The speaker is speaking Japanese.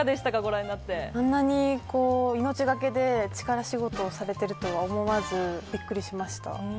あんなに命懸けで力仕事をされているとは思わずびっくりしました。